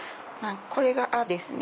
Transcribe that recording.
これが「あ」ですね